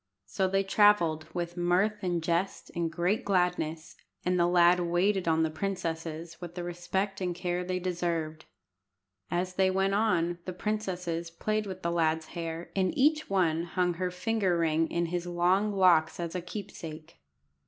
So they travelled, with mirth and jest and great gladness, and the lad waited on the princesses with the respect and care they deserved. As they went on, the princesses played with the lad's hair, and each one hung her finger ring in his long locks as a keepsake.